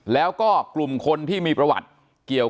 แล้วก็กลุ่มคนที่มีประวัติเกี่ยว